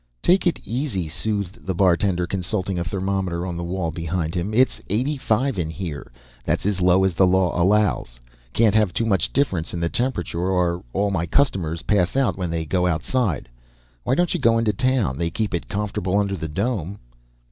"Take it easy," soothed the bartender, consulting a thermometer on the wall behind him, "it's eighty five in here. That's as low as the law allows. Can't have too much difference in the temperature or all my customers'd pass out when they go outside. Why don't you go into town? They keep it comfortable under the dome."